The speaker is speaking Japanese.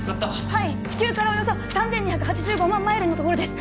はい地球からおよそ３２８５万マイルの所です